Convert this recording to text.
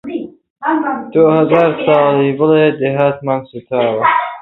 تۆ هەزار ساڵ بڵێ دێهاتمان سووتاوە